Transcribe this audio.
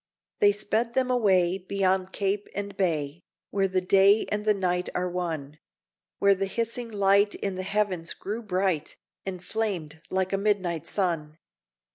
They sped them away, beyond cape and bay, Where the day and the night are one Where the hissing light in the heavens grew bright, And flamed like a midnight sun.